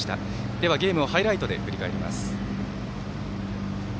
では、ゲームをハイライトで振り返ります。